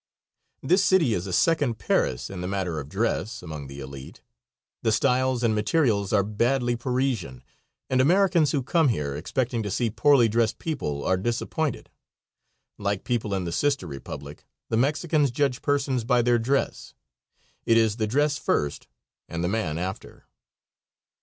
This city is a second Paris in the matter of dress among the elite. The styles and materials are badly Parisian, and Americans who come here expecting to see poorly dressed people are disappointed. Like people in the sister Republic, the Mexicans judge persons by their dress. It is the dress first and the man after.